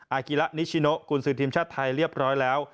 กิละนิชิโนกุญสือทีมชาติไทยเรียบร้อยแล้ว